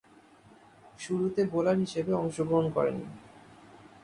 শুরুতে বোলার হিসেবে অংশগ্রহণ করেন।